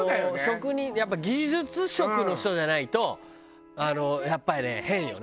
職人技術職の人じゃないとやっぱりね変よね。